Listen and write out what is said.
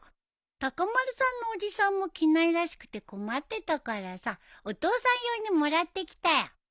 高丸さんのおじさんも着ないらしくて困ってたからさお父さん用にもらってきたよ。